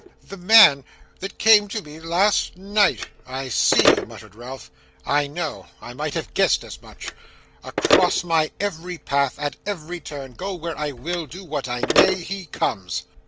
'The man that came to me last night!' 'I see,' muttered Ralph, 'I know! I might have guessed as much before. Across my every path, at every turn, go where I will, do what I may, he comes!